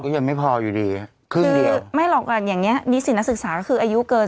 ยังไม่พออยู่ดีครึ่งเดียวคือไม่หรอกอ่ะอย่างเงี้ยนิสินนักศึกษาคืออายุเกิน